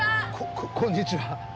ここんにちは。